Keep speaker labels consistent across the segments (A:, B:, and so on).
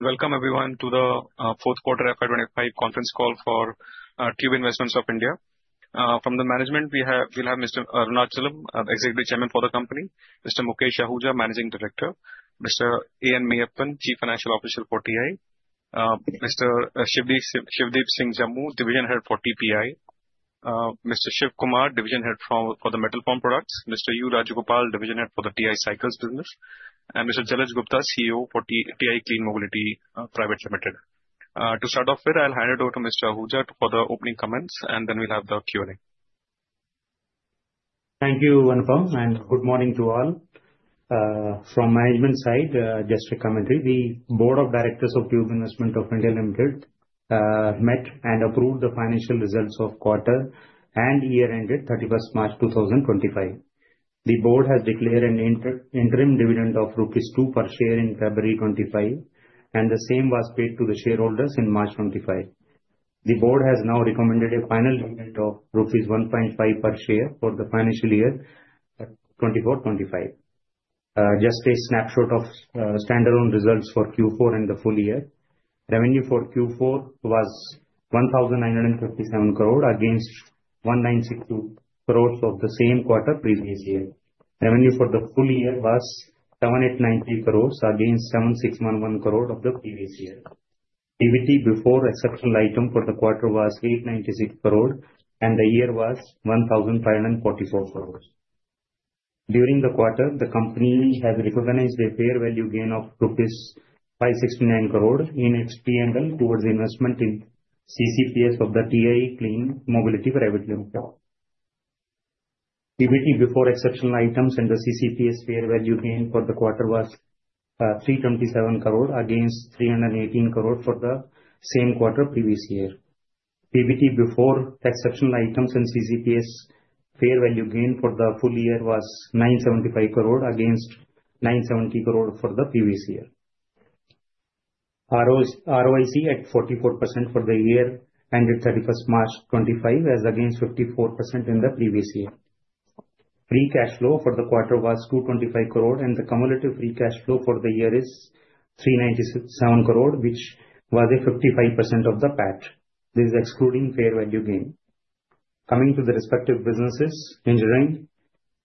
A: Welcome, everyone, to the fourth quarter FY25 conference call for Tube Investments of India. From the management, we'll have Mr. Arunachalam, Executive Chairman for the company; Mr. Mukesh Ahuja, Managing Director; Mr. AN Meyyappan, Chief Financial Officer for TI; Mr. Shivdeep Singh Jammu, Division Head for TPI; Mr. Shivakumar, Division Head for the Metal Form Products; Mr. U. Rajagopal, Division Head for the TI Cycles business; and Mr. Jalaj Gupta, CEO for TI Clean Mobility Private Limited. To start off with, I'll hand it over to Mr. Ahuja for the opening comments, and then we'll have the Q&A.
B: Thank you, Inva, and good morning to all. From management side, just a commentary: the Board of Directors of Tube Investments of India met and approved the financial results of quarter and year-ended 31st March 2025. The board has declared an interim dividend of rupees 2 per share in February 2025, and the same was paid to the shareholders in March 2025. The board has now recommended a final dividend of rupees 1.5 per share for the financial year 2024-2025. Just a snapshot of standalone results for Q4 and the full year: revenue for Q4 was 1,957 crore against 1,962 crore of the same quarter previous year. Revenue for the full year was 7,893 crore against 7,611 crore of the previous year. EBITDA before exceptional item for the quarter was 896 crore, and the year was 1,544 crore. During the quarter, the company has recognized a fair value gain of rupees 569 crore in extreme towards investment in CCPS of the TI Clean Mobility Private Limited. EBITDA before exceptional items and the CCPS fair value gain for the quarter was 327 crore against 318 crore for the same quarter previous year. EBITDA before exceptional items and CCPS fair value gain for the full year was 975 crore against 970 crore for the previous year. ROIC at 44% for the year ended 31st March 2025 as against 54% in the previous year. Free cash flow for the quarter was 225 crore, and the cumulative free cash flow for the year is 397 crore, which was 55% of the PAT. This is excluding fair value gain. Coming to the respective businesses, in general,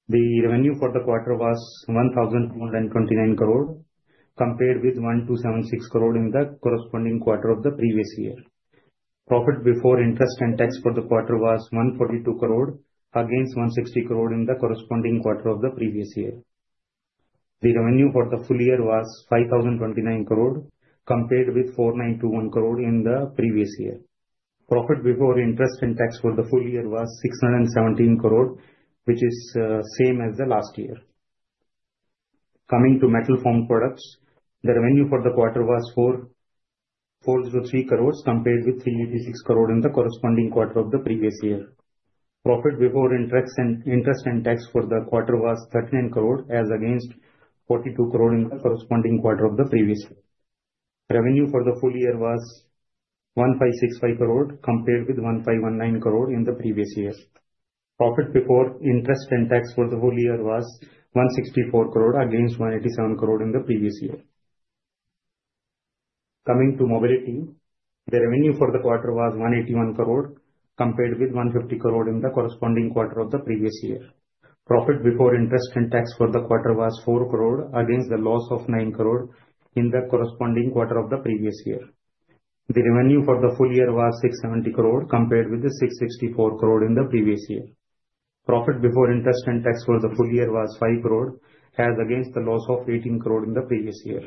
B: the revenue for the quarter was 1,229 crore compared with 1,276 crore in the corresponding quarter of the previous year. Profit before interest and tax for the quarter was 142 crore against 160 crore in the corresponding quarter of the previous year. The revenue for the full year was 5,029 crore compared with 4,921 crore in the previous year. Profit before interest and tax for the full year was 617 crore, which is the same as the last year. Coming to metal form products, the revenue for the quarter was 403 crore compared with 386 crore in the corresponding quarter of the previous year. Profit before interest and tax for the quarter was 39 crore as against 42 crore in the corresponding quarter of the previous year. Revenue for the full year was 1,565 crore compared with 1,519 crore in the previous year. Profit before interest and tax for the full year was 164 crore against 187 crore in the previous year. Coming to mobility, the revenue for the quarter was 181 crore compared with 150 crore in the corresponding quarter of the previous year. Profit before interest and tax for the quarter was 4 crore against the loss of 9 crore in the corresponding quarter of the previous year. The revenue for the full year was 670 crore compared with 664 crore in the previous year. Profit before interest and tax for the full year was 5 crore as against the loss of 18 crore in the previous year.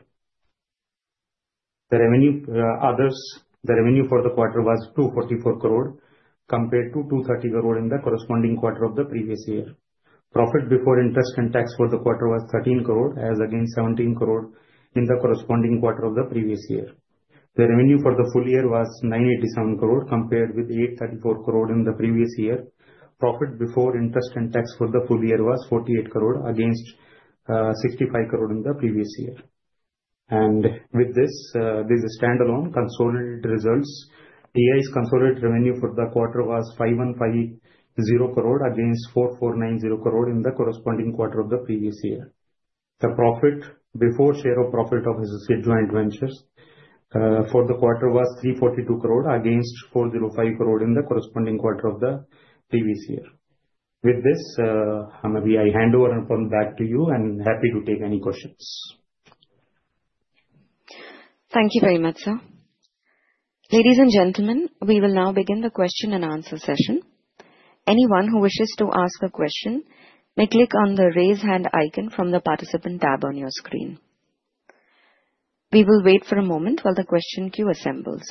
B: The revenue for the quarter was 244 crore compared to 230 crore in the corresponding quarter of the previous year. Profit before interest and tax for the quarter was 13 crore as against 17 crore in the corresponding quarter of the previous year. The revenue for the full year was 987 crore compared with 834 crore in the previous year. Profit before interest and tax for the full year was 48 crore against 65 crore in the previous year. These standalone consolidated results, TI's consolidated revenue for the quarter was 5,150 crore against 4,490 crore in the corresponding quarter of the previous year. The profit before share of profit of Associate Joint Ventures for the quarter was 342 crore against 405 crore in the corresponding quarter of the previous year. With this, I hand over and come back to you and happy to take any questions.
C: Thank you very much, sir. Ladies and gentlemen, we will now begin the question and answer session. Anyone who wishes to ask a question may click on the raise hand icon from the participant tab on your screen. We will wait for a moment while the question queue assembles.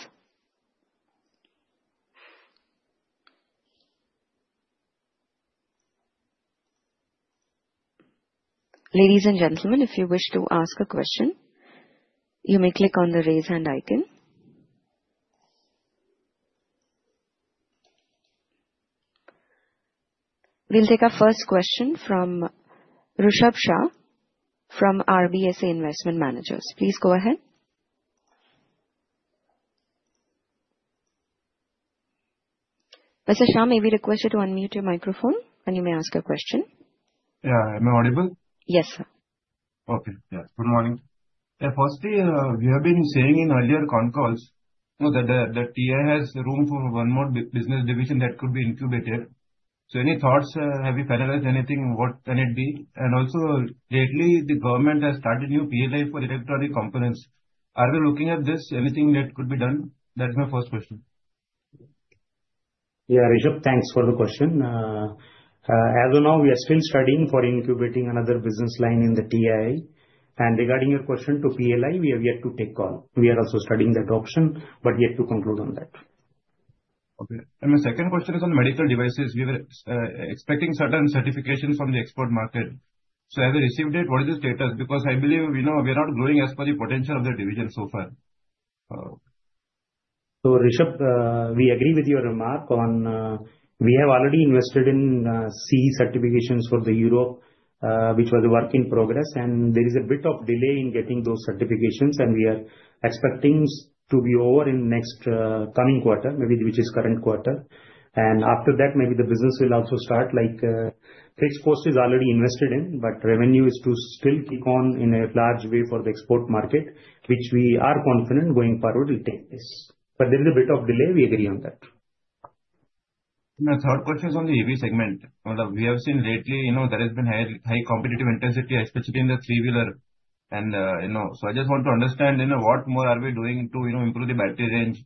C: Ladies and gentlemen, if you wish to ask a question, you may click on the raise hand icon. We'll take our first question from Rushabh Shah from RBSA Investment Managers. Please go ahead. Mr. Shah, may we request you to unmute your microphone and you may ask a question.
D: Yeah, am I audible?
C: Yes, sir.
D: Okay, yeah, good morning. Yeah, firstly, we have been saying in earlier con calls that the TI has room for one more business division that could be incubated. Any thoughts? Have you finalized anything? What can it be? Also, lately, the government has started a new PLI for electronic components. Are we looking at this? Anything that could be done? That is my first question.
B: Yeah, Rishabh, thanks for the question. As of now, we are still studying for incubating another business line in the TI. Regarding your question to PLI, we have yet to take call. We are also studying that option, but yet to conclude on that.
D: Okay. My second question is on medical devices. We were expecting certain certifications from the export market. Have you received it? What is the status? I believe we know we are not growing as per the potential of the division so far.
B: Rushabh, we agree with your remark on we have already invested in CE certifications for Europe, which was a work in progress. There is a bit of delay in getting those certifications, and we are expecting to be over in next coming quarter, which is current quarter. After that, maybe the business will also start. Like fixed cost is already invested in, but revenue is to still keep on in a large way for the export market, which we are confident going forward will take place. There is a bit of delay. We agree on that.
D: My third question is on the EV segment. We have seen lately there has been high competitive intensity, especially in the three-wheeler. I just want to understand what more are we doing to improve the battery range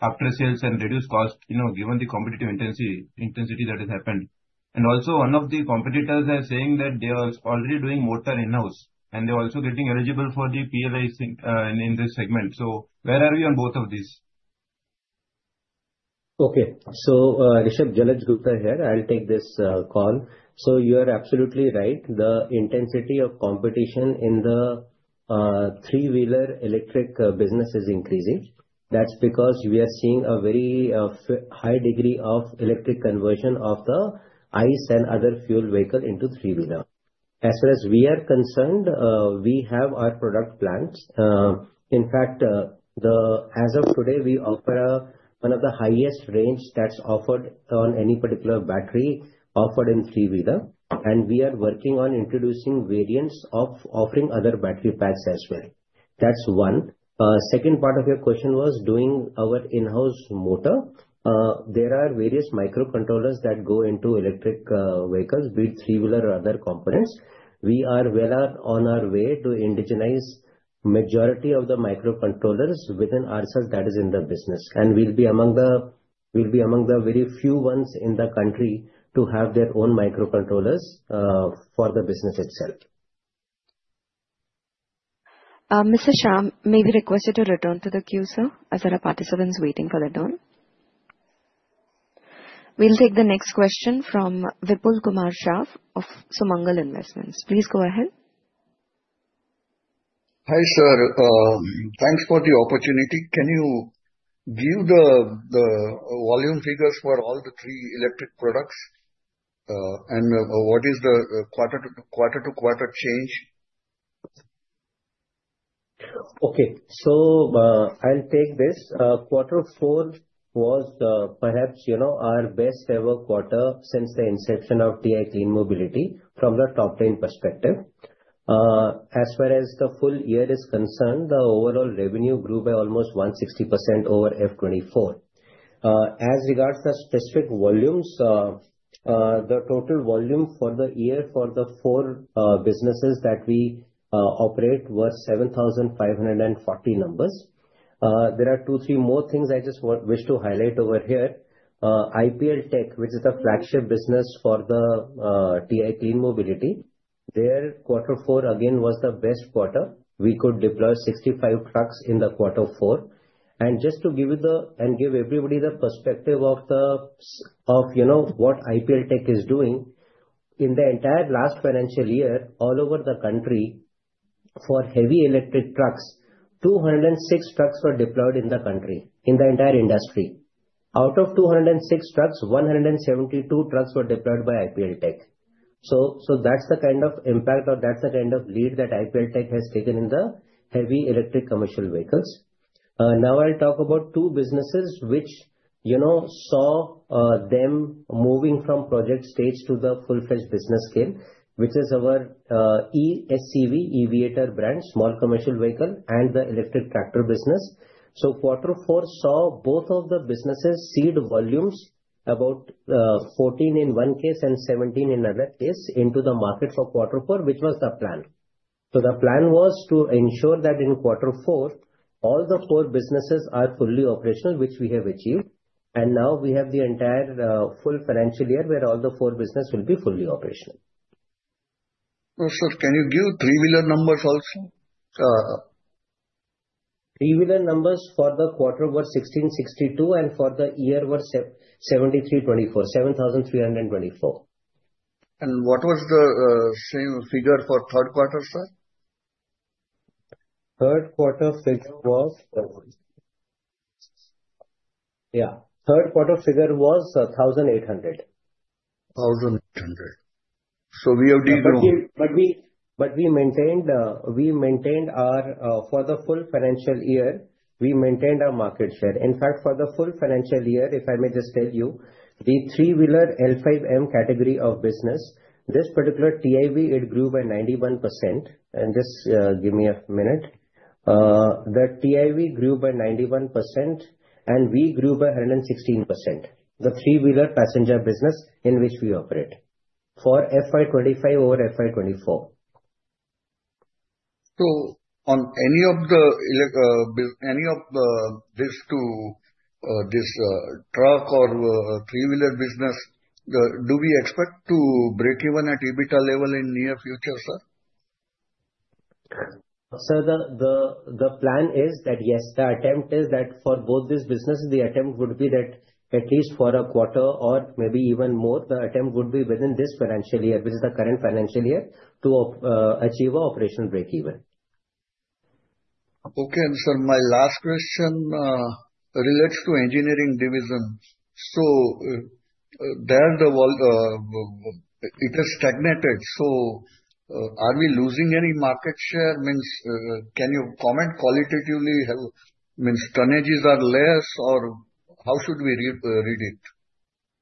D: after sales and reduce cost, given the competitive intensity that has happened? Also, one of the competitors is saying that they are already doing motor in-house, and they are also getting eligible for the PLI in this segment. Where are we on both of these?
E: Okay, so Rushabh, Jalaj Gupta here, I'll take this call. You are absolutely right. The intensity of competition in the three-wheeler electric business is increasing. That's because we are seeing a very high degree of electric conversion of the ICE and other fuel vehicle into three-wheeler. As far as we are concerned, we have our product plans. In fact, as of today, we offer one of the highest range that's offered on any particular battery offered in three-wheeler. We are working on introducing variants of offering other battery packs as well. That's one. The second part of your question was doing our in-house motor. There are various microcontrollers that go into electric vehicles, be it three-wheeler or other components. We are well on our way to indigenize the majority of the microcontrollers within ourselves that is in the business. We'll be among the very few ones in the country to have their own microcontrollers for the business itself.
C: Mr. Shah, may we request you to return to the queue, sir, as there are participants waiting for the turn? We'll take the next question from Vipul Kumar Shah of SUMANGAL INVESTMENTS. Please go ahead.
F: Hi sir, thanks for the opportunity. Can you give the volume figures for all the three electric products? What is the quarter-to-quarter change?
E: Okay, so I'll take this. Quarter four was perhaps our best-ever quarter since the inception of TI Clean Mobility from the top-down perspective. As far as the full year is concerned, the overall revenue grew by almost 160% over end of 2024. As regards to specific volumes, the total volume for the year for the four businesses that we operate was 7,540 numbers. There are two, three more things I just wish to highlight over here. IPL Tech, which is the flagship business for the TI Clean Mobility, their quarter four again was the best quarter. We could deploy 65 trucks in the quarter four. Just to give you the and give everybody the perspective of what IPL Tech is doing, in the entire last financial year, all over the country, for heavy electric trucks, 206 trucks were deployed in the country, in the entire industry. Out of 206 trucks, 172 trucks were deployed by IPL Tech. That's the kind of impact or that's the kind of lead that IPL Tech has taken in the heavy electric commercial vehicles. Now I'll talk about two businesses which saw them moving from project stage to the full-fledged business scale, which is our e-SCV EVIATOR brand, small commercial vehicle, and the electric tractor business. Quarter four saw both of the businesses seed volumes, about 14 in one case and 17 in another case, into the market for quarter four, which was the plan. The plan was to ensure that in quarter four, all the four businesses are fully operational, which we have achieved. Now we have the entire full financial year where all the four businesses will be fully operational.
F: Also, can you give three-wheeler numbers also?
E: Three-wheeler numbers for the quarter were 1,662 and for the year were 7,324.
F: What was the same figure for third quarter, sir?
E: Third quarter figure was, yeah, third quarter figure was 1,800.
F: 1,800. So we have this room.
E: We maintained our, for the full financial year, we maintained our market share. In fact, for the full financial year, if I may just tell you, the three-wheeler L5M category of business, this particular TIV, it grew by 91%. Just give me a minute. The TIV grew by 91%, and we grew by 116%, the three-wheeler passenger business in which we operate for FY 2025 over FY 2024.
F: On any of these two, this truck or three-wheeler business, do we expect to break even at EBITDA level in the near future, sir?
E: Sir, the plan is that yes, the attempt is that for both these businesses, the attempt would be that at least for a quarter or maybe even more, the attempt would be within this financial year, which is the current financial year, to achieve an operational break even.
F: Okay, and sir, my last question relates to engineering division. There the world, it has stagnated. Are we losing any market share? Can you comment qualitatively? Tonnages are less or how should we read it?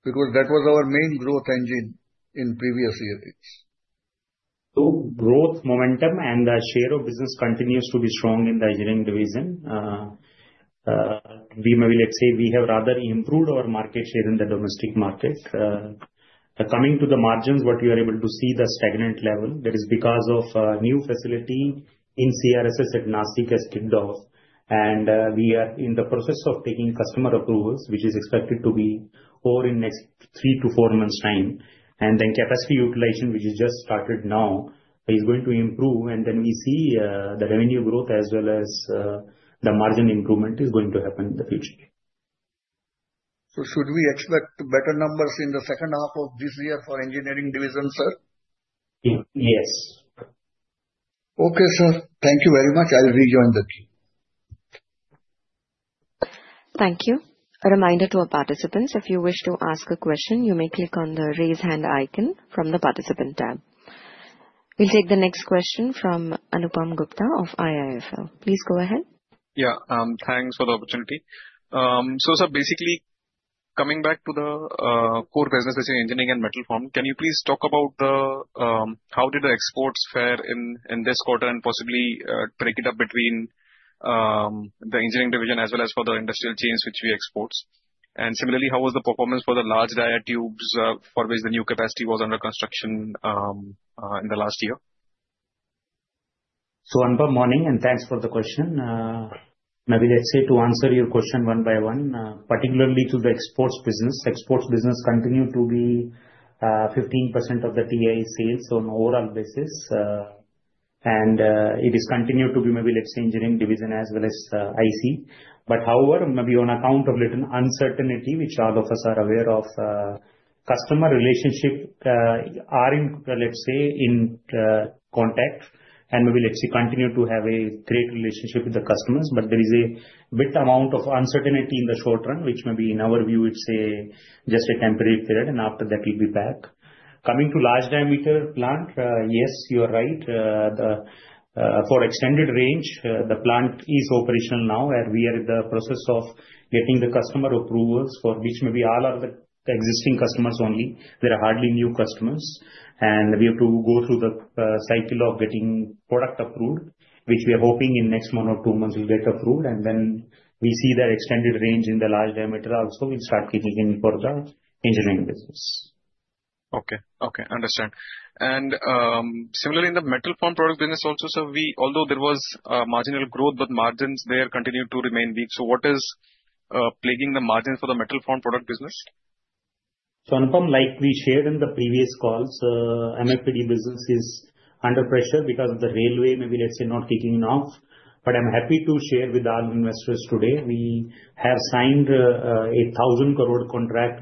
F: Because that was our main growth engine in previous years.
B: Growth momentum and the share of business continues to be strong in the engineering division. We maybe, let's say, we have rather improved our market share in the domestic market. Coming to the margins, what you are able to see at the stagnant level, that is because a new facility in CRSS at Nashik has kicked off. We are in the process of taking customer approvals, which is expected to be over in the next three to four months' time. Capacity utilization, which has just started now, is going to improve. We see the revenue growth as well as the margin improvement is going to happen in the future.
F: Should we expect better numbers in the second half of this year for engineering division, sir?
B: Yes.
D: Okay, sir. Thank you very much. I'll rejoin the queue.
C: Thank you. A reminder to our participants, if you wish to ask a question, you may click on the raise hand icon from the participant tab. We'll take the next question from Anupam Gupta of IIFL. Please go ahead.
G: Yeah, thanks for the opportunity. Sir, basically coming back to the core business, I say engineering and metal form, can you please talk about how did the exports fare in this quarter and possibly break it up between the engineering division as well as for the industrial chains, which we export? Similarly, how was the performance for the large dia tubes for which the new capacity was under construction in the last year?
B: Anupam, morning and thanks for the question. Maybe let's say to answer your question one by one, particularly to the exports business, exports business continued to be 15% of the TI sales on an overall basis. It has continued to be maybe let's say engineering division as well as IC. However, maybe on account of little uncertainty, which all of us are aware of, customer relationship are in let's say in contact. Maybe let's say continue to have a great relationship with the customers. There is a bit amount of uncertainty in the short run, which maybe in our view, it's just a temporary period, and after that, we'll be back. Coming to large diameter plant, yes, you are right. For extended range, the plant is operational now, and we are in the process of getting the customer approvals for which maybe all of the existing customers only. There are hardly new customers. We have to go through the cycle of getting product approved, which we are hoping in next month or two months will get approved. We see that extended range in the large diameter also will start kicking in for the engineering business.
G: Okay, okay, understand. Similarly, in the metal form product business also, sir, although there was marginal growth, but margins there continued to remain weak. What is plaguing the margins for the metal form product business?
B: Like we shared in the previous calls, MFPD business is under pressure because the railway maybe let's say not kicking enough. I'm happy to share with all investors today we have signed a 8,000 crore contract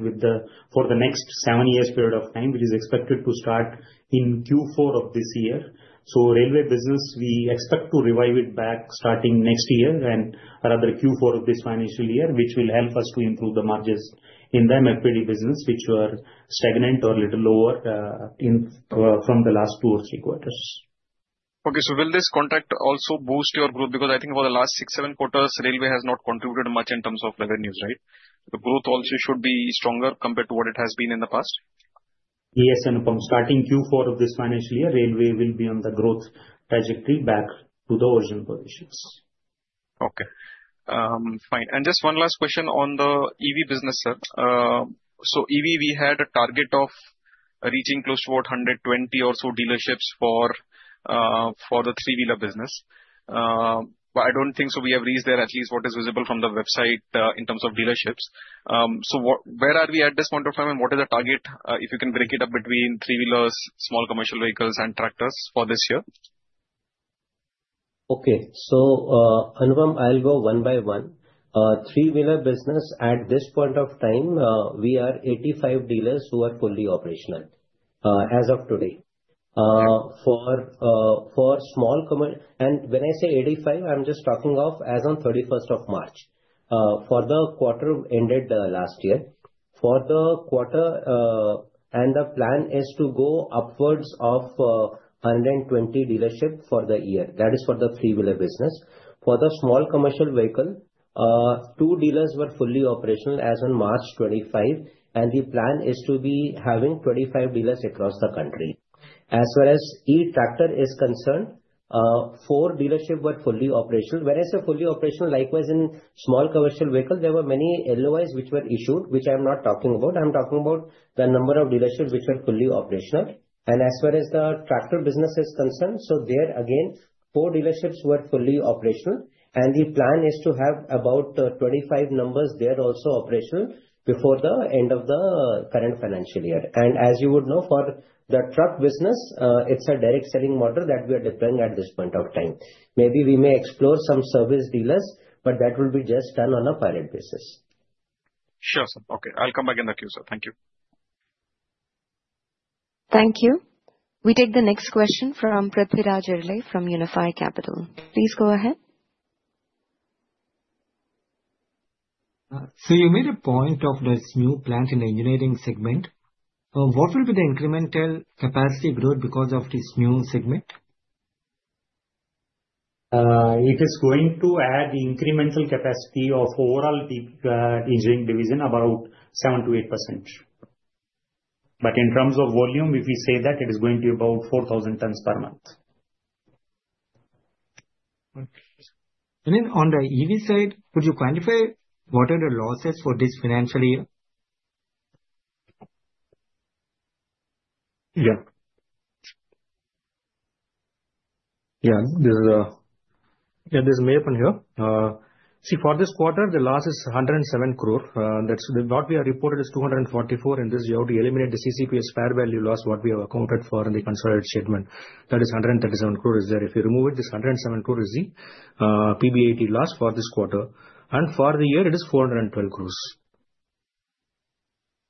B: for the next seven years' period of time, which is expected to start in Q4 of this year. Railway business, we expect to revive it back starting next year and another Q4 of this financial year, which will help us to improve the margins in the MFPD business, which were stagnant or a little lower from the last two or three quarters.
G: Okay, so will this contract also boost your growth? Because I think over the last six, seven quarters, railway has not contributed much in terms of revenues, right? The growth also should be stronger compared to what it has been in the past?
B: Yes, Anupam, starting Q4 of this financial year, railway will be on the growth trajectory back to the original positions.
G: Okay, fine. Just one last question on the EV business, sir. EV, we had a target of reaching close to 120 or so dealerships for the three-wheeler business. I do not think we have reached there, at least what is visible from the website in terms of dealerships. Where are we at this point of time and what is the target, if you can break it up between three-wheelers, small commercial vehicles, and tractors for this year?
B: Okay, so Anupam, I'll go one by one. Three-wheeler business at this point of time, we are 85 dealers who are fully operational as of today. For small, and when I say 85, I'm just talking of as of 31st of March. For the quarter ended last year, for the quarter, and the plan is to go upwards of 120 dealerships for the year. That is for the three-wheeler business. For the small commercial vehicle, two dealers were fully operational as on March 25, and the plan is to be having 25 dealers across the country. As far as each tractor is concerned, four dealerships were fully operational. When I say fully operational, likewise in small commercial vehicles, there were many LOIs which were issued, which I'm not talking about. I'm talking about the number of dealerships which are fully operational. As far as the tractor business is concerned, there again, four dealerships were fully operational. The plan is to have about 25 numbers there also operational before the end of the current financial year. As you would know, for the truck business, it is a direct selling model that we are deploying at this point of time. Maybe we may explore some service dealers, but that will be just done on a pilot basis.
G: Sure, sir. Okay, I'll come back in the queue, sir. Thank you.
C: Thank you. We take the next question from Prithvi Raj [Erlay] from Unify Capital. Please go ahead.
H: You made a point of this new plant in the engineering segment. What will be the incremental capacity growth because of this new segment?
E: It is going to add incremental capacity of overall engineering division about 7%-8%. In terms of volume, if we say that it is going to be about 4,000 tons per month.
H: On the EV side, could you quantify what are the losses for this financial year?
I: Yeah. Yeah, this is Meyyappan here. See, for this quarter, the loss is 107 crore. That's what we have reported is 244 in this year to eliminate the CCPS fair value loss what we have accounted for in the consolidated statement. That is 137 crore is there. If you remove it, this 107 crore is the PBIT loss for this quarter. And for the year, it is 412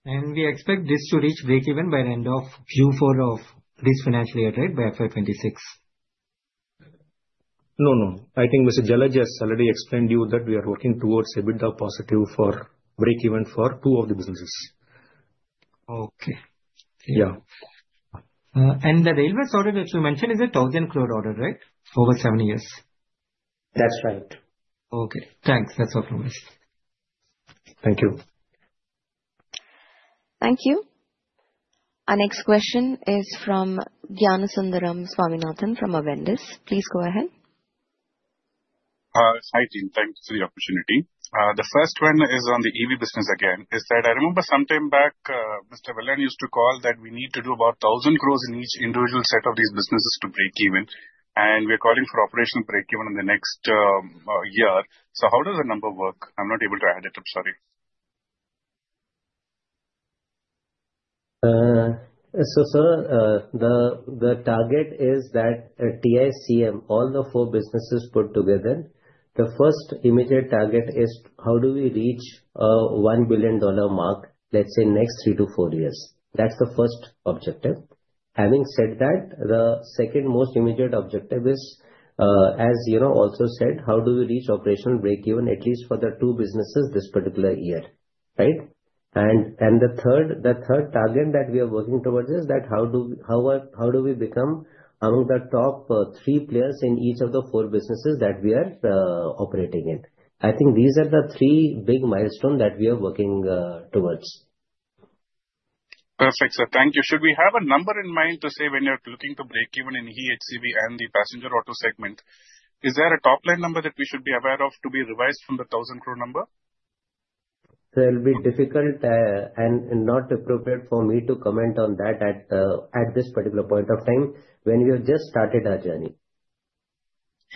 I: crore.
H: We expect this to reach break even by the end of Q4 of this financial year, right, by FY 2026?
I: No, no. I think Mr. Jalaj has already explained to you that we are working towards a bit of positive for break even for two of the businesses.
H: Okay.
I: Yeah.
H: The railways order, which you mentioned, is a IRS 1,000 crore order, right, over seven years?
I: That's right.
D: Okay. Thanks. That's all from us.
I: Thank you.
C: Thank you. Our next question is from Vijayaraghavan Swaminathan from Avendus. Please go ahead.
J: Hi, team. Thank you for the opportunity. The first one is on the EV business again. I remember sometime back, Mr. Vellayan used to call that we need to do about 1,000 crore in each individual set of these businesses to break even. We are calling for operational break even in the next year. How does the number work? I'm not able to add it up. Sorry.
B: Sir, the target is that TICM, all the four businesses put together, the first immediate target is how do we reach a $1 billion mark, let's say next three to four years. That's the first objective. Having said that, the second most immediate objective is, as you know, also said, how do we reach operational break even at least for the two businesses this particular year, right? The third target that we are working towards is that how do we become among the top three players in each of the four businesses that we are operating in. I think these are the three big milestones that we are working towards.
J: Perfect, sir. Thank you. Should we have a number in mind to say when you're looking to break even in eHCV and the passenger auto segment, is there a top-line number that we should be aware of to be revised from the 1,000 crore number?
B: It'll be difficult and not appropriate for me to comment on that at this particular point of time when we have just started our journey.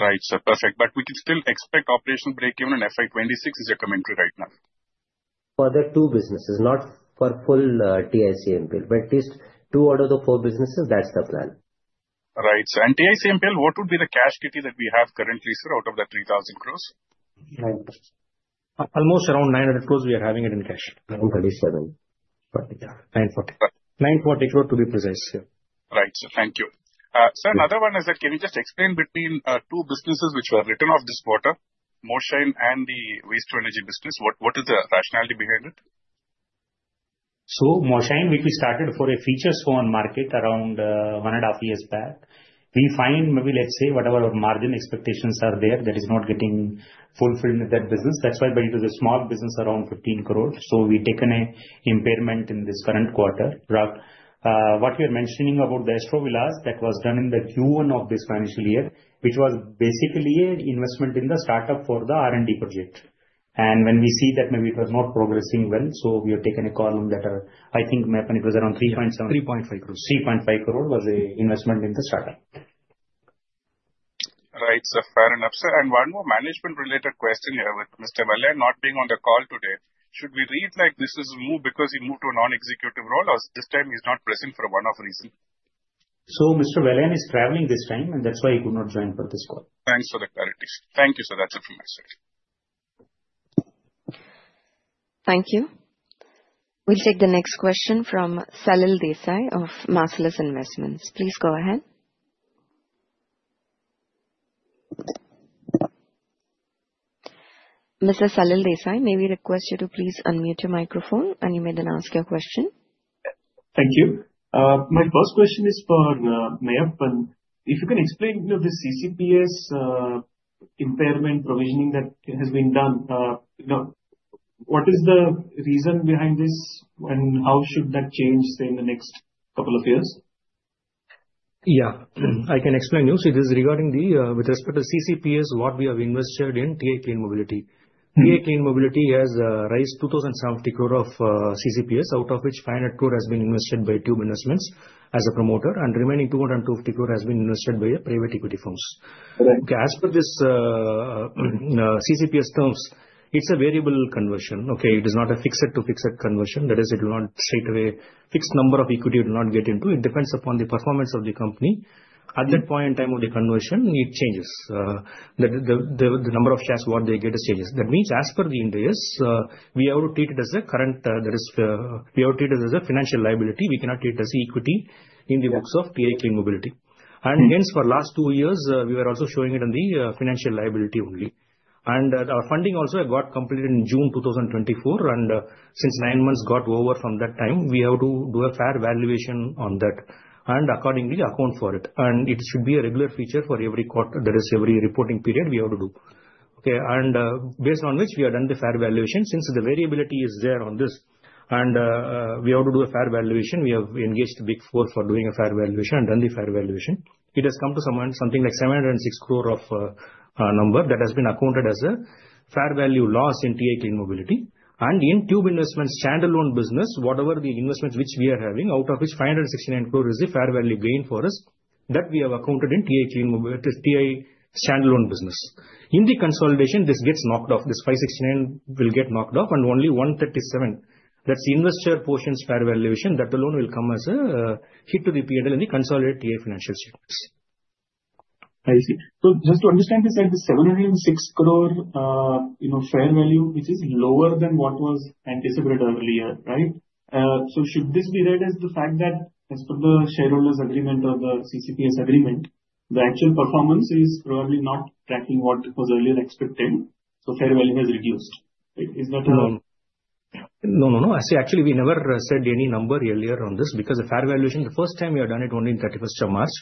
J: Right, sir. Perfect. We can still expect operational break even on FY 2026, is your commentary right now?
B: For the two businesses, not for full TICMPL, but at least two out of the four businesses, that's the plan.
J: Right. And TICMPL, what would be the cash kit that we have currently, sir, out of the 3,000 crore? 9%.
B: Almost around 900 crore we are having it in cash. 940 crore to be precise here.
J: Right. Thank you. Sir, another one is that can you just explain between two businesses which were written off this quarter, MoShine and the waste-to-energy business, what is the rationality behind it?
B: MoShine, which we started for a feature stone market around one and a half years back, we find maybe, let's say, whatever margin expectations are there, that is not getting fulfilled in that business. That is why it is a small business around 15 crore. We have taken an impairment in this current quarter. What you are mentioning about the Aerostrovilos, that was done in the Q1 of this financial year, which was basically an investment in the startup for the R&D project. When we see that maybe it was not progressing well, we have taken a call that, I think, Meyyappan, it was around three point.
I: 3.5 crore.
B: 3.5 crore was the investment in the startup.
J: Right, sir. Fair enough, sir. One more management-related question here with Mr. Vellayan not being on the call today. Should we read like this is a move because he moved to a non-executive role or this time he's not present for one-off reason?
B: Mr. Vellayan is traveling this time, and that's why he could not join for this call.
J: Thanks for the clarity. Thank you, sir. That's it from my side.
C: Thank you. We'll take the next question from Salil Desai of Marcellus Investments. Please go ahead. Mr. Salil Desai, may we request you to please unmute your microphone, and you may then ask your question.
K: Thank you. My first question is for Meyyappan. If you can explain the CCPS impairment provisioning that has been done, what is the reason behind this and how should that change, say, in the next couple of years?
I: Yeah, I can explain you. It is regarding the, with respect to CCPS, what we have invested in TI Clean Mobility. TI Clean Mobility has raised 2,070 crore of CCPS, out of which 500 crore has been invested by Tube Investments as a promoter, and remaining 250 crore has been invested by private equity firms.
K: Correct.
I: Okay. As per these CCPS terms, it's a variable conversion. Okay, it is not a fixed-to-fixed conversion. That is, it will not straightaway fixed number of equity it will not get into. It depends upon the performance of the company. At that point in time of the conversion, it changes. The number of shares what they get is changes. That means as per the Ind AS, we have to treat it as a current, that is, we have to treat it as a financial liability. We cannot treat it as equity in the books of TI Clean Mobility. Hence, for the last two years, we were also showing it on the financial liability only. Our funding also got completed in June 2024, and since nine months got over from that time, we have to do a fair valuation on that and accordingly account for it. It should be a regular feature for every quarter, that is, every reporting period we have to do. Okay. Based on which we have done the fair valuation since the variability is there on this. We have to do a fair valuation. We have engaged the Big 4 for doing a fair valuation and done the fair valuation. It has come to something like 706 crore of a number that has been accounted as a fair value loss in TI Clean Mobility. In Tube Investments' standalone business, whatever the investments which we are having, out of which 569 crore is the fair value gain for us that we have accounted in TI Standalone Business. In the consolidation, this gets knocked off. This 569 crore will get knocked off and only 137 crore, that's investor portion's fair valuation, that alone will come as a hit to the P&L in the consolidated TI financial statements.
K: I see. Just to understand, you said the 706 crore fair value, which is lower than what was anticipated earlier, right? Should this be read as the fact that as per the shareholders' agreement or the CCPS agreement, the actual performance is probably not tracking what was earlier expected? The fair value has reduced, right? Is that a?
I: No, no, no. Actually, we never said any number earlier on this because the fair valuation, the first time we have done it only on 31st of March.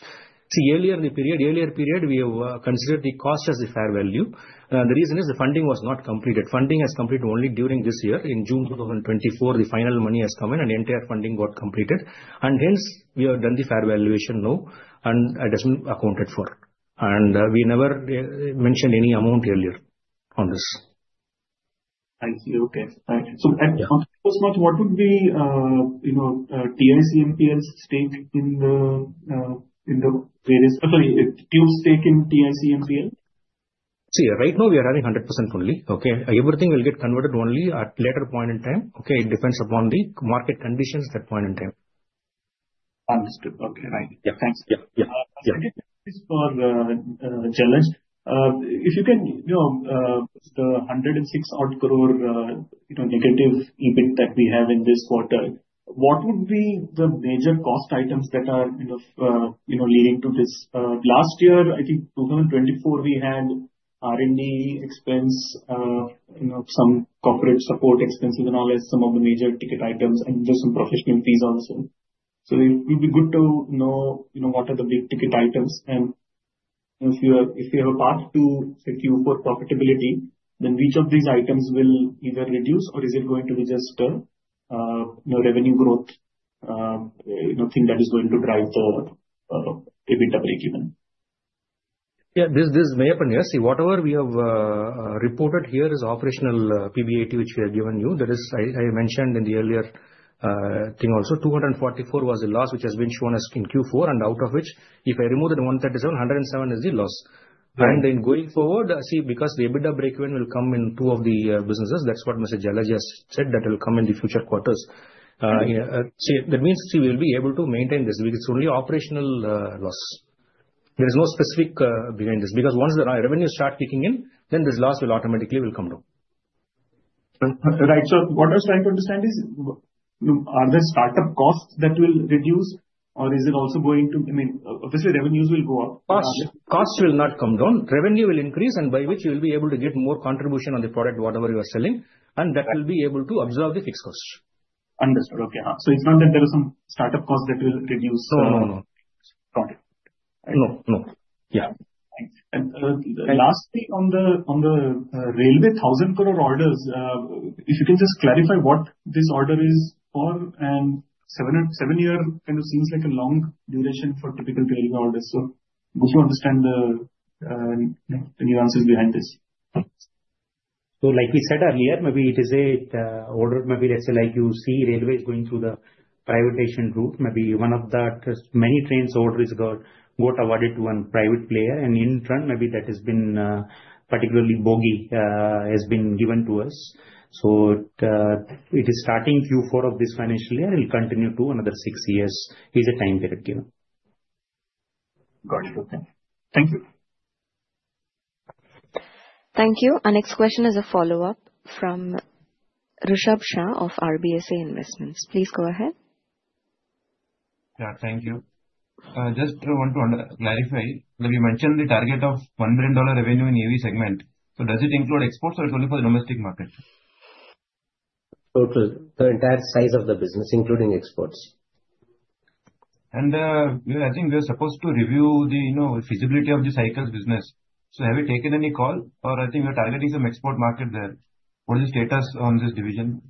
I: See, earlier in the period, earlier period, we have considered the cost as the fair value. The reason is the funding was not completed. Funding has completed only during this year. In June 2024, the final money has come in and the entire funding got completed. Hence, we have done the fair valuation now and it has been accounted for. We never mentioned any amount earlier on this.
K: Thank you. Okay. At this point, what would be Tube's stake in TICMPL?
I: See, right now we are having 100% only. Okay. Everything will get converted only at a later point in time. Okay. It depends upon the market conditions at that point in time.
K: Understood. Okay. Right. Yeah. Thanks. Yeah. Yeah. Thank you for Jalaj. If you can know the -106 odd crore EBIT that we have in this quarter, what would be the major cost items that are kind of leading to this? Last year, I think 2024, we had R&D expense, some corporate support expenses and all that, some of the major ticket items, and just some professional fees also. It would be good to know what are the big ticket items. If we have a path to a Q4 profitability, then which of these items will either reduce or is it going to be just revenue growth, thing that is going to drive the EBITDA break even?
I: Yeah. This is Meyyappan, yes. See, whatever we have reported here is operational PBIT, which we have given you. That is, I mentioned in the earlier thing also, 244 crore was the loss which has been shown as in Q4, and out of which, if I remove the 137 crore, 107 crore is the loss. And then going forward, see, because the EBITDA break even will come in two of the businesses, that's what Mr. Jalaj just said that will come in the future quarters. See, that means we will be able to maintain this because it's only operational loss. There is no specific behind this because once the revenues start kicking in, then this loss will automatically come down.
K: Right. So what I was trying to understand is, are there startup costs that will reduce or is it also going to, I mean, obviously, revenues will go up.
I: Costs will not come down. Revenue will increase and by which you will be able to get more contribution on the product, whatever you are selling, and that will be able to absorb the fixed cost.
K: Understood. Okay. So it's not that there are some startup costs that will reduce.
I: No, no.
K: Got it.
I: No, no. Yeah.
K: Thanks. Lastly, on the railway 1,000 crore orders, if you can just clarify what this order is for, and seven-year kind of seems like a long duration for typical railway orders. Would you understand the nuances behind this?
B: Like we said earlier, maybe it is an order, maybe let's say like you see railways going through the private Asian route, maybe one of the many trains orders got awarded to one private player. In turn, maybe that particular bogie has been given to us. It is starting Q4 of this financial year and will continue for another six years, which is the time period given.
K: Got it. Okay. Thank you.
C: Thank you. Our next question is a follow-up from Rushabh Shah of RBSA Investment Managers. Please go ahead.
D: Yeah. Thank you. Just want to clarify. You mentioned the target of $1 billion revenue in EV segment. So does it include exports or it's only for the domestic market?
B: Total. The entire size of the business, including exports.
D: I think we are supposed to review the feasibility of the cycles business. Have you taken any call or I think you're targeting some export market there. What is the status on this division?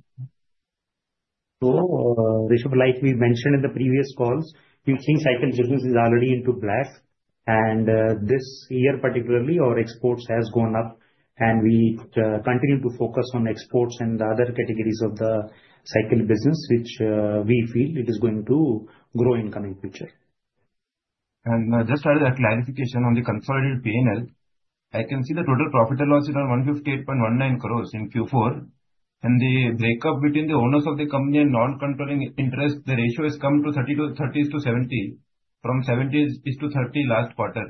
B: Rushabh, like we mentioned in the previous calls, we think cycle business is already into black. This year particularly, our exports have gone up, and we continue to focus on exports and other categories of the cycle business, which we feel it is going to grow income in the future.
D: Just a clarification on the consolidated P&L. I can see the total profit allowance is around 158.19 crore in Q4. The breakup between the owners of the company and non-controlling interest, the ratio has come to 30/70 from 70/30 last quarter.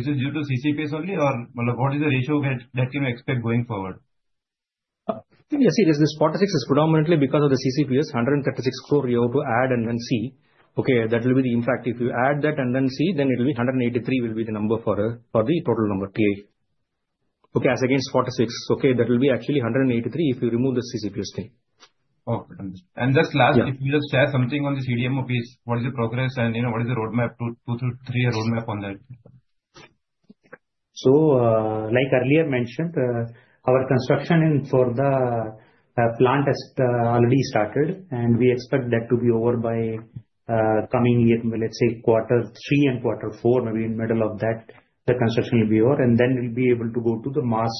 D: Is it due to CCPS only or what is the ratio that you may expect going forward?
I: I think you see this 46 crore is predominantly because of the CCPS, 136 crore you have to add and then see. Okay. That will be the impact. If you add that and then see, then it will be 183 crore will be the number for the total number TI. Okay. As against 46 crore, okay, that will be actually 183 crore if you remove the CCPS thing.
D: Okay. Understood. Just last, if you just share something on the CDMO piece, what is the progress and what is the roadmap, two to three-year roadmap on that?
B: Like earlier mentioned, our construction for the plant has already started, and we expect that to be over by coming year, let's say quarter three and quarter four, maybe in the middle of that, the construction will be over. Then we'll be able to go to the mass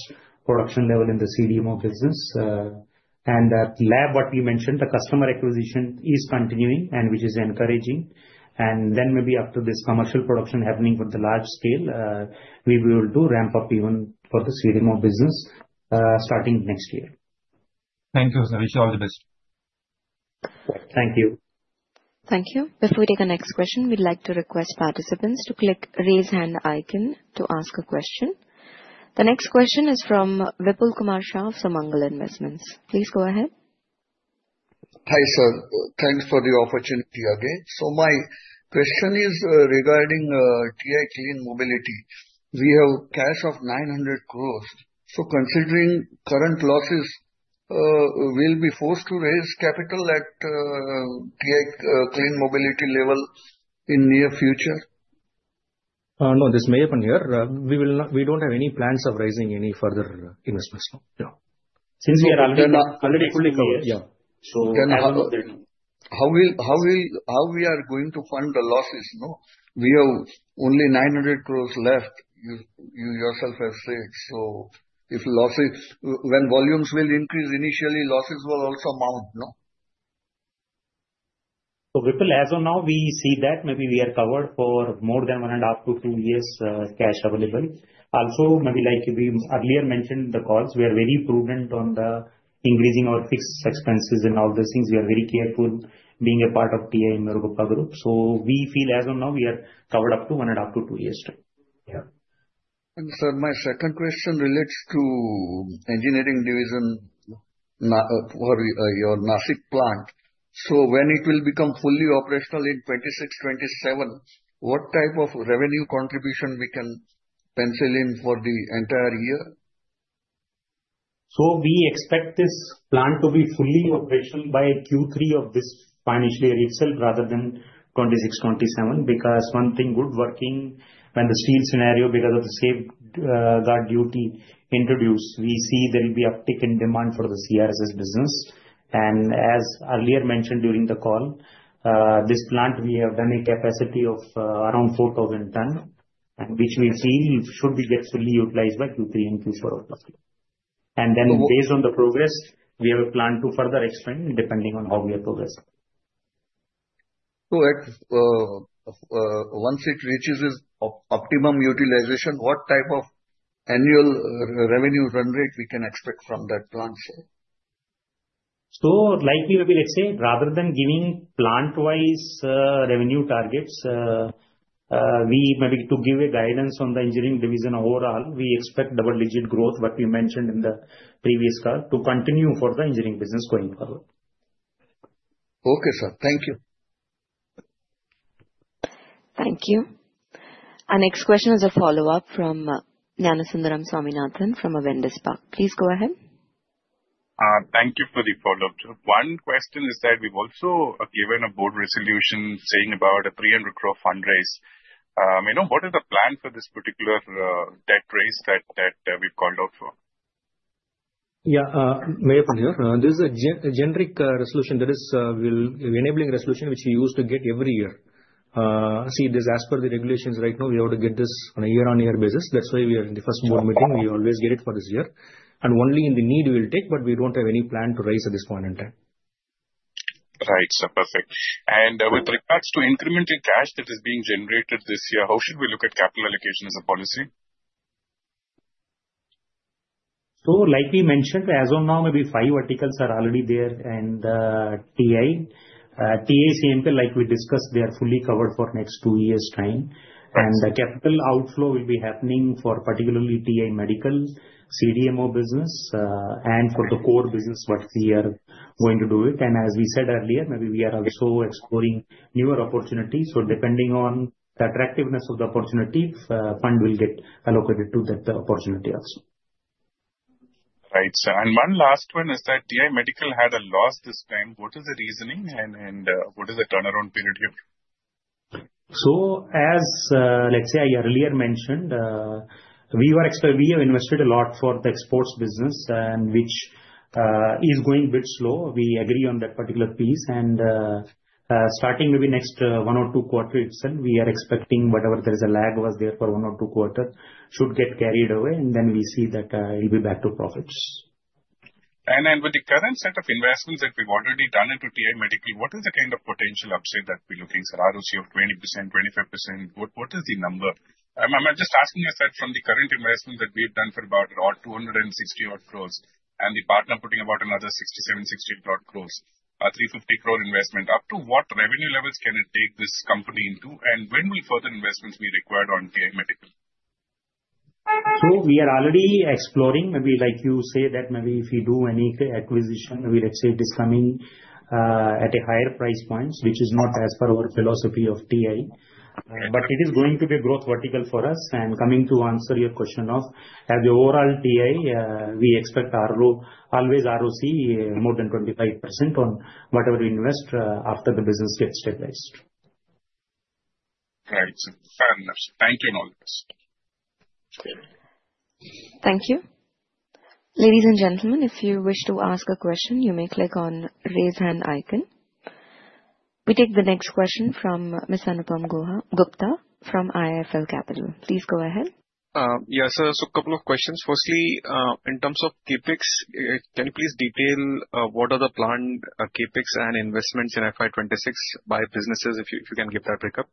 B: production level in the CDMO business. That lab, what we mentioned, the customer acquisition is continuing and which is encouraging. Maybe after this commercial production happening for the large scale, we will do ramp up even for the CDMO business starting next year.
D: Thank you, sir. Wish you all the best.
B: Thank you.
C: Thank you. Before we take the next question, we'd like to request participants to click the raise hand icon to ask a question. The next question is from Vipul Kumar Shah of SUMANGAL INVESTMENTS. Please go ahead.
F: Hi sir. Thanks for the opportunity again. My question is regarding TI Clean Mobility. We have cash of 900 crore. Considering current losses, will we be forced to raise capital at TI Clean Mobility level in the near future?
I: No, this is Meyyappan here. We do not have any plans of raising any further investments. No. No.
B: Since we are already fully covered.
F: Yeah. So how are we going to fund the losses? We have only 900 crore left, you yourself have said. If losses, when volumes will increase initially, losses will also mount, no?
B: Vipul, as of now, we see that maybe we are covered for more than one and a half to two years cash available. Also, maybe like we earlier mentioned in the calls, we are very prudent on increasing our fixed expenses and all those things. We are very careful being a part of TI and Murugappa Group. We feel as of now, we are covered up to one and a half to two years too.
F: Yeah. Sir, my second question relates to engineering division, your Nashik plant. When it will become fully operational in 2026-2027, what type of revenue contribution we can pencil in for the entire year?
B: We expect this plant to be fully operational by Q3 of this financial year itself rather than 2026-2027 because one thing good working when the steel scenario because of the safeguard duty introduced, we see there will be uptick in demand for the CRSS business. As earlier mentioned during the call, this plant, we have done a capacity of around 4,000 ton, which we see should be fully utilized by Q3 and Q4 of last year. Then based on the progress, we have a plan to further expand depending on how we are progressing.
F: Once it reaches its optimum utilization, what type of annual revenue run rate can we expect from that plant, sir?
B: Likely, maybe let's say rather than giving plant-wise revenue targets, we maybe to give a guidance on the engineering division overall, we expect double-digit growth, what we mentioned in the previous call, to continue for the engineering business going forward.
F: Okay, sir. Thank you.
C: Thank you. Our next question is a follow-up from Vijayaraghavan Swaminathan from Avendus. Please go ahead.
J: Thank you for the follow-up, sir. One question is that we've also given a board resolution saying about an 300 crore fundraise. What is the plan for this particular debt raise that we've called out for?
I: Yeah. Meyyappan, sir. This is a generic resolution. That is, we're enabling resolution which we use to get every year. See, as per the regulations right now, we have to get this on a year-on-year basis. That's why we are in the first board meeting. We always get it for this year. Only if there is a need we'll take, but we don't have any plan to raise at this point in time.
J: Right. Perfect. With regards to incremental cash that is being generated this year, how should we look at capital allocation as a policy?
B: Like we mentioned, as of now, maybe five articles are already there and TI, TICMPL, like we discussed, they are fully covered for the next two years' time. The capital outflow will be happening for particularly TI Medical, CDMO business, and for the core business, what we are going to do with. As we said earlier, maybe we are also exploring newer opportunities. Depending on the attractiveness of the opportunity, fund will get allocated to that opportunity also.
J: Right. One last one is that TI Medical had a loss this time. What is the reasoning and what is the turnaround period here?
B: As I earlier mentioned, we have invested a lot for the exports business, which is going a bit slow. We agree on that particular piece. Starting maybe next one or two quarters, we are expecting whatever lag was there for one or two quarters should get carried away. We see that it'll be back to profits.
J: With the current set of investments that we've already done into TI Medical, what is the kind of potential upside that we're looking for, ROC of 20%, 25%? What is the number? I'm just asking you, sir, from the current investment that we've done for about 260 odd crore and the partner putting about another 67- 68 odd crore, 350 crore investment, up to what revenue levels can it take this company into? When will further investments be required on TI Medical?
B: We are already exploring, maybe like you say that maybe if we do any acquisition, maybe let's say this coming at a higher price point, which is not as per our philosophy of TI. It is going to be a growth vertical for us. Coming to answer your question of the overall TI, we expect always ROC more than 25% on whatever we invest after the business gets stabilized.
J: Right. Thank you and all the best.
C: Thank you. Ladies and gentlemen, if you wish to ask a question, you may click on the raise hand icon. We take the next question from Ms. Anupam Gupta from IIFL Capital. Please go ahead.
G: Yes, sir. So a couple of questions. Firstly, in terms of CapEx, can you please detail what are the planned CapEx and investments in FY 2026 by businesses, if you can give that recap?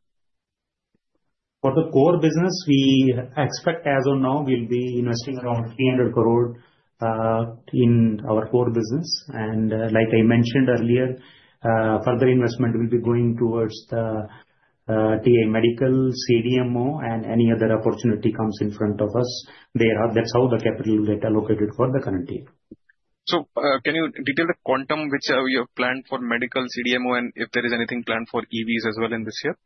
B: For the core business, we expect as of now, we'll be investing around 300 crore in our core business. Like I mentioned earlier, further investment will be going towards the TI Medical, CDMO, and any other opportunity comes in front of us. That's how the capital will get allocated for the current year.
G: Can you detail the quantum which you have planned for medical, CDMO, and if there is anything planned for EVs as well in this year?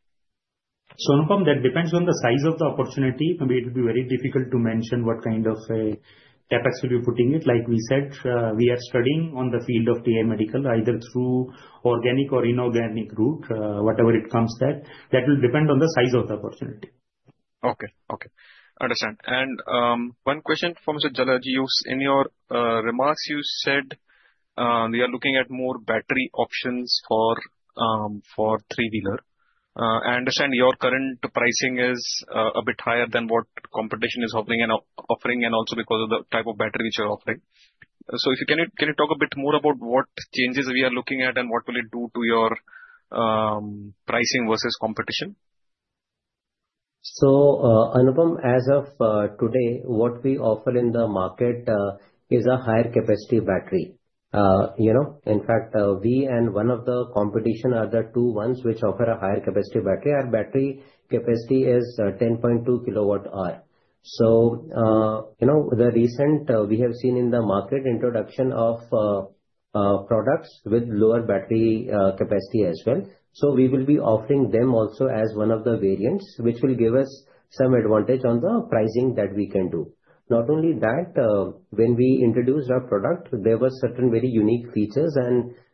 B: Anupam, that depends on the size of the opportunity. Maybe it will be very difficult to mention what kind of CapEx we will be putting in. Like we said, we are studying on the field of TI Medical, either through organic or inorganic route, whatever it comes that. That will depend on the size of the opportunity.
G: Okay. Okay. Understand. One question for Mr. Jalaj. In your remarks, you said we are looking at more battery options for three-wheeler. I understand your current pricing is a bit higher than what competition is offering and also because of the type of battery which you're offering. Can you talk a bit more about what changes we are looking at and what will it do to your pricing versus competition?
E: As of today, what we offer in the market is a higher capacity battery. In fact, we and one of the competition, other two ones which offer a higher capacity battery, our battery capacity is 10.2 kW-hour. The recent we have seen in the market introduction of products with lower battery capacity as well. We will be offering them also as one of the variants, which will give us some advantage on the pricing that we can do. Not only that, when we introduced our product, there were certain very unique features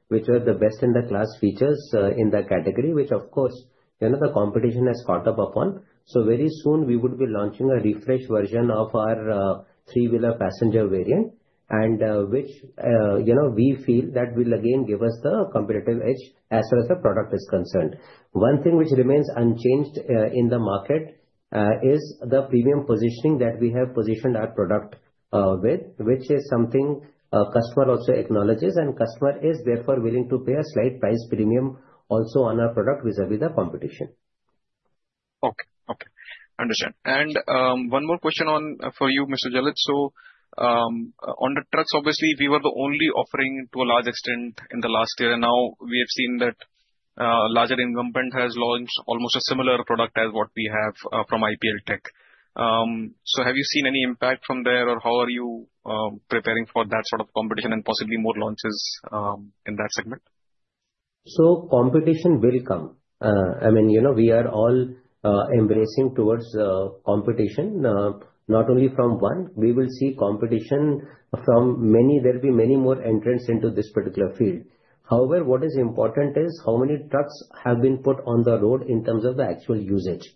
E: which were the best-in-the-class features in the category, which of course, the competition has caught up upon. Very soon, we would be launching a refresh version of our three-wheeler passenger variant, which we feel that will again give us the competitive edge as far as the product is concerned. One thing which remains unchanged in the market is the premium positioning that we have positioned our product with, which is something customer also acknowledges, and customer is therefore willing to pay a slight price premium also on our product vis-à-vis the competition.
G: Okay. Okay. Understand. One more question for you, Mr. Jalaj. On the trucks, obviously, we were the only offering to a large extent in the last year. Now we have seen that Larsen & Toubro has launched almost a similar product as what we have from IPL Tech. Have you seen any impact from there, or how are you preparing for that sort of competition and possibly more launches in that segment?
E: Competition will come. I mean, we are all embracing towards competition, not only from one. We will see competition from many. There will be many more entrants into this particular field. However, what is important is how many trucks have been put on the road in terms of the actual usage.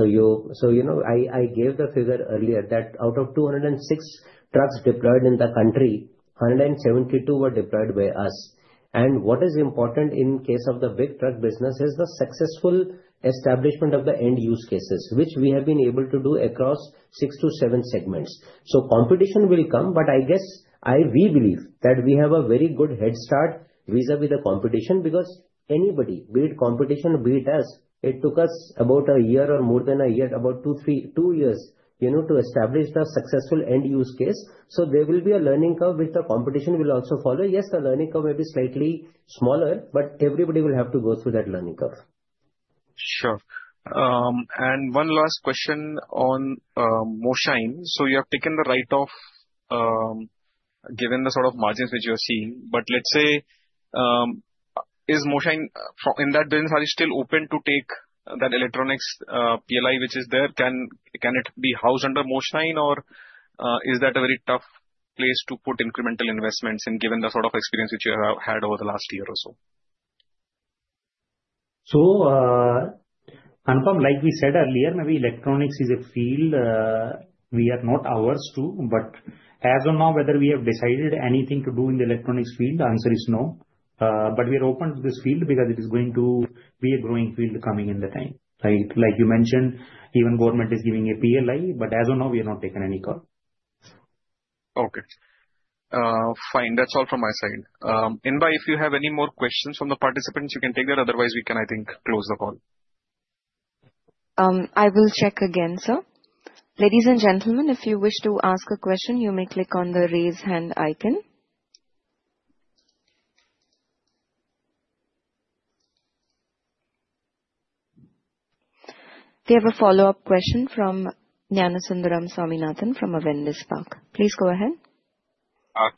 E: I gave the figure earlier that out of 206 trucks deployed in the country, 172 were deployed by us. What is important in case of the big truck business is the successful establishment of the end use cases, which we have been able to do across six to seven segments. Competition will come, but I guess we believe that we have a very good head start vis-à-vis the competition because anybody, be it competition, be it us, it took us about a year or more than a year, about two years, to establish the successful end use case. There will be a learning curve which the competition will also follow. Yes, the learning curve may be slightly smaller, but everybody will have to go through that learning curve.
G: Sure. One last question on Moshine. You have taken the right of given the sort of margins which you have seen. Let's say, in that business, are you still open to take that electronics PLI which is there? Can it be housed under Moshine, or is that a very tough place to put incremental investments in given the sort of experience which you have had over the last year or so?
B: Like we said earlier, maybe electronics is a field we are not averse to. As of now, whether we have decided anything to do in the electronics field, the answer is no. We are open to this field because it is going to be a growing field coming in the time. Like you mentioned, even government is giving a PLI, but as of now, we have not taken any call.
G: Okay. Fine. That's all from my side. Inva, if you have any more questions from the participants, you can take that. Otherwise, we can, I think, close the call.
C: I will check again, sir. Ladies and gentlemen, if you wish to ask a question, you may click on the raise hand icon. We have a follow-up question from Vijayaraghavan Swaminathan from Avendus. Please go ahead.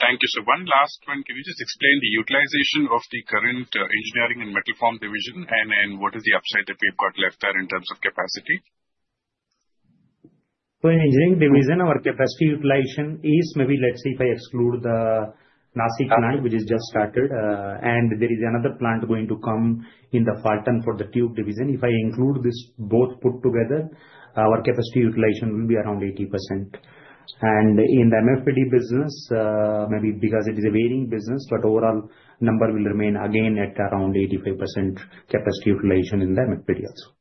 J: Thank you, sir. One last one. Can you just explain the utilization of the current engineering and metal form division, and what is the upside that we have got left there in terms of capacity?
B: In engineering division, our capacity utilization is maybe let's say if I exclude the Nashik plant, which has just started, and there is another plant going to come in the Phaltan for the tube division. If I include this both put together, our capacity utilization will be around 80%. In the MFPD business, maybe because it is a varying business, but overall number will remain again at around 85% capacity utilization in the MFPD also.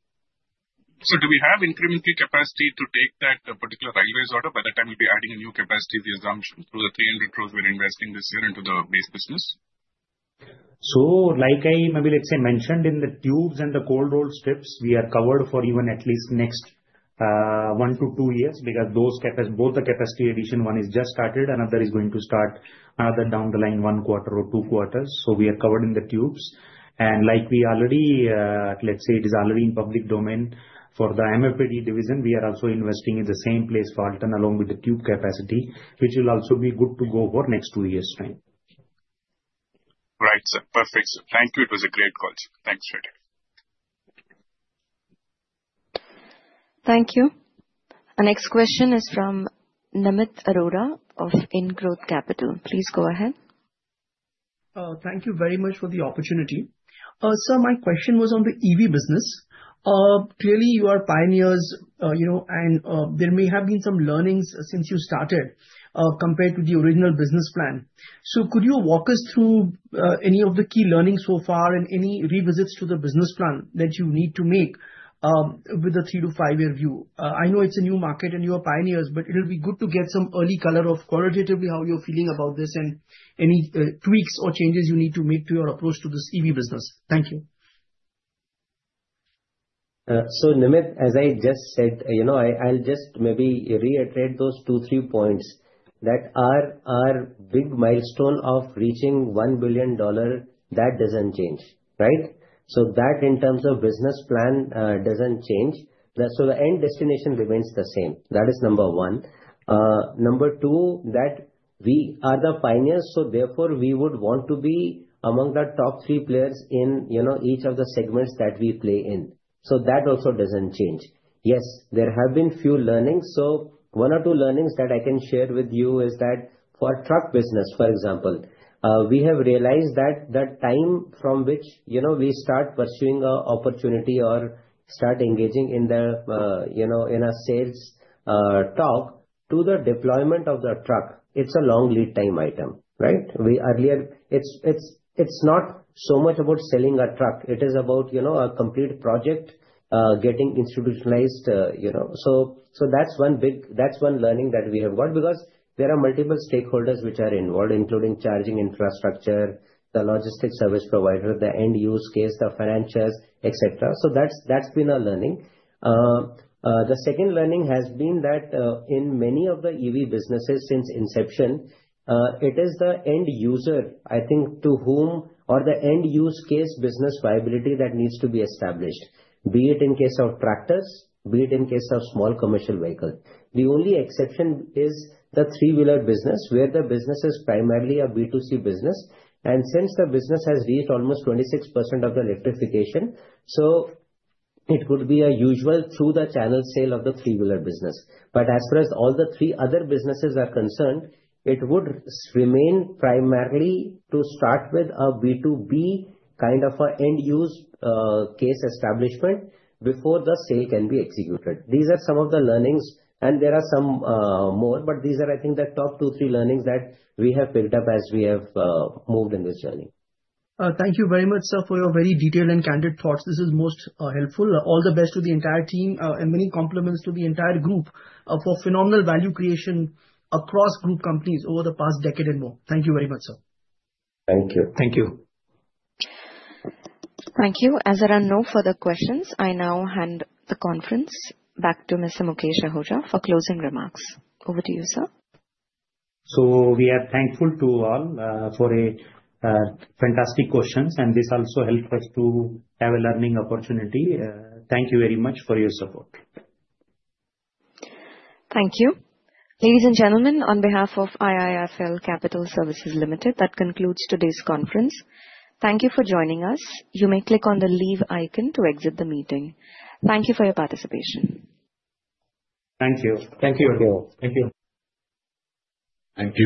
J: Do we have incremental capacity to take that particular railways order by the time we'll be adding a new capacity assumption through the INR 300 crore we're investing this year into the base business?
B: Like I maybe let's say mentioned in the tubes and the cold roll strips, we are covered for even at least next one to two years because both the capacity addition, one has just started, another is going to start another down the line one quarter or two quarters. We are covered in the tubes. Like we already, let's say it is already in public domain for the MFPD division, we are also investing in the same place for Phaltan along with the tube capacity, which will also be good to go for next two years' time.
J: Right, sir. Perfect, sir. Thank you. It was a great call, sir. Thanks, Freddy.
C: Thank you. Our next question is from Namit Arora of INDGROWTH CAPITAL. Please go ahead.
L: Thank you very much for the opportunity. Sir, my question was on the EV business. Clearly, you are pioneers, and there may have been some learnings since you started compared to the original business plan. Could you walk us through any of the key learnings so far and any revisits to the business plan that you need to make with a three- to five-year view? I know it is a new market and you are pioneers, but it will be good to get some early color of qualitatively how you are feeling about this and any tweaks or changes you need to make to your approach to this EV business. Thank you.
E: Namit, as I just said, I'll just maybe reiterate those two, three points that our big milestone of reaching $1 billion, that doesn't change, right? That in terms of business plan doesn't change. The end destination remains the same. That is number one. Number two, that we are the pioneers, so therefore we would want to be among the top three players in each of the segments that we play in. That also doesn't change. Yes, there have been few learnings. One or two learnings that I can share with you is that for truck business, for example, we have realized that the time from which we start pursuing an opportunity or start engaging in a sales talk to the deployment of the truck, it's a long lead time item, right? Earlier, it's not so much about selling a truck. It is about a complete project getting institutionalized. That is one learning that we have got because there are multiple stakeholders which are involved, including charging infrastructure, the logistics service provider, the end use case, the financiers, etc. That has been a learning. The second learning has been that in many of the EV businesses since inception, it is the end user, I think, to whom or the end use case business viability that needs to be established, be it in case of tractors, be it in case of small commercial vehicles. The only exception is the three-wheeler business where the business is primarily a B2C business. Since the business has reached almost 26% of the electrification, it could be a usual through-the-channel sale of the three-wheeler business. As far as all the three other businesses are concerned, it would remain primarily to start with a B2B kind of an end use case establishment before the sale can be executed. These are some of the learnings, and there are some more, but these are, I think, the top two, three learnings that we have picked up as we have moved in this journey.
L: Thank you very much, sir, for your very detailed and candid thoughts. This is most helpful. All the best to the entire team and many compliments to the entire group for phenomenal value creation across group companies over the past decade and more. Thank you very much, sir.
B: Thank you.
I: Thank you.
C: Thank you. As there are no further questions, I now hand the conference back to Mr. Mukesh Ahuja for closing remarks. Over to you, sir.
B: We are thankful to all for fantastic questions, and this also helped us to have a learning opportunity. Thank you very much for your support.
C: Thank you. Ladies and gentlemen, on behalf of IIFL Capital Services Limited, that concludes today's conference. Thank you for joining us. You may click on the leave icon to exit the meeting. Thank you for your participation.
B: Thank you again. Thank you.
I: Thank you.